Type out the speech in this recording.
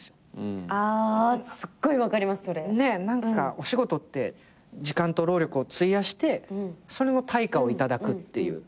お仕事って時間と労力を費やしてそれの対価を頂くっていう。